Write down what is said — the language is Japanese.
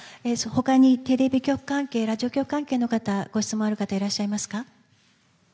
他にテレビ局関係ラジオ局関係の方でご質問ある方いらっしゃいますか。